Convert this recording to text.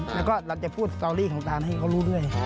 แล้วก็เราจะพูดสตอรี่ของตานให้เขารู้ด้วย